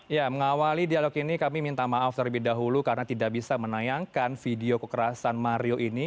ya mengawali dialog ini kami minta maaf terlebih dahulu karena tidak bisa menayangkan video kekerasan mario ini